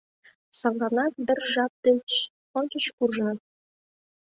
Садланак дыр жап деч ончыч куржыныт.